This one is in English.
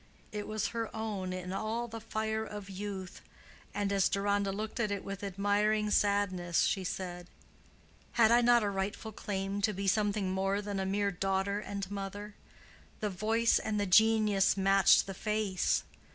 It was her own in all the fire of youth, and as Deronda looked at it with admiring sadness, she said, "Had I not a rightful claim to be something more than a mere daughter and mother? The voice and the genius matched the face.